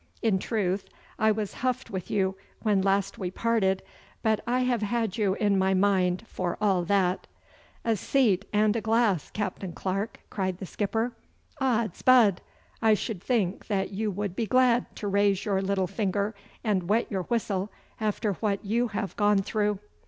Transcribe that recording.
In truth, I was huffed with you when last we parted, but I have had you in my mind for all that.' 'A seat and a glass, Captain Clarke,' cried the skipper. 'Od's bud! I should think that you would be glad to raise your little finger and wet your whistle after what you have gone through.